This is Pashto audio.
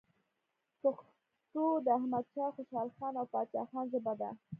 پښتو د احمد شاه خوشحالخان او پاچا خان ژبه ده.